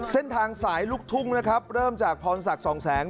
เส้นทางสายลูกทุ่งนะครับเริ่มจากพรศักดิ์สองแสง